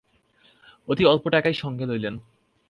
অতি অল্প টাকাই সঙ্গে লইলেন।